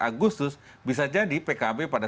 agustus bisa jadi pkb pada